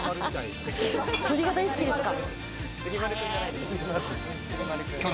釣りが大好きですか？